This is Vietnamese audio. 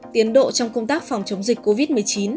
tiến độ trong công tác phòng chống dịch covid một mươi chín